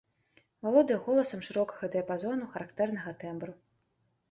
Валодае голасам шырокага дыяпазону, характэрнага тэмбру.